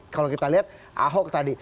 kalau kita lihat ahok tadi